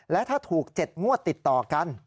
และถ้าถูก๗งวดติดต่อกัน